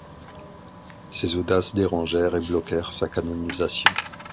Ses audaces dérangèrent et bloquèrent sa canonisation.